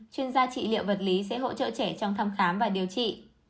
chuyên gia trị liệu vật lý sẽ hỗ trợ trẻ trong thăm khám và điều trị